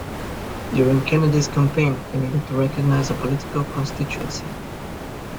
During Kennedy's campaign, he needed to recognize a political constituency.